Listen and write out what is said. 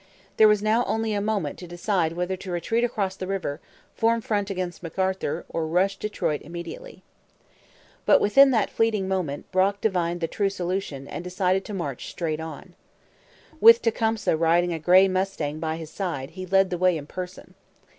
There was now only a moment to decide whether to retreat across the river, form front against McArthur, or rush Detroit immediately. But, within that fleeting moment, Brock divined the true solution and decided to march straight on. With Tecumseh riding a grey mustang by his side, he led the way in person.